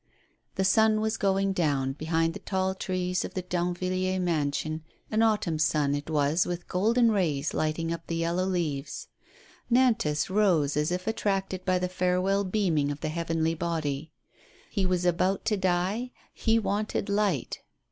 The sun was going down behind the tall trees of the Danvilliers mansion, an autumn sun it was with golden rays lighting up the yellow leaves. Kantas rose as if attracted by the farewell beaming of the heavenly body. He was about to die, he wanted light.